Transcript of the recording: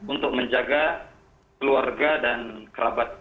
untuk menjaga keluarga dan kerabat